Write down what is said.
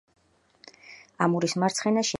ამურის მარცხენა შენაკადი.